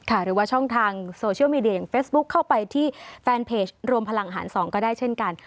หรือว่าช่องทางโซเชียลมีเดียอย่างเฟซบุ๊คเข้าไปที่แฟนเพจรวมพลังหาร๒ก็ได้เช่นกัน